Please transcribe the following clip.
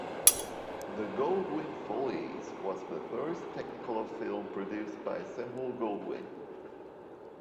"The Goldwyn Follies" was the first Technicolor film produced by Samuel Goldwyn.